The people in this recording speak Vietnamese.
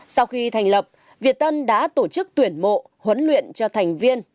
sau khi thành lập việt tân đã tổ chức tuyển mộ huấn luyện cho thành viên